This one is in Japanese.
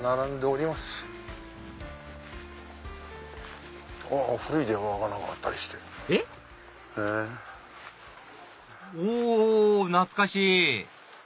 お懐かしい！